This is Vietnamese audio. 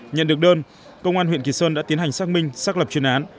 nhận được đơn công an huyện kỳ sơn đã tiến hành xác minh xác lập chuyên án